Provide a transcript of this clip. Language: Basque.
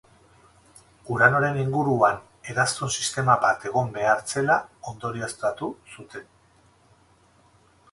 Uranoren inguruan eraztun sistema bat egon behar zela ondorioztatu zuten.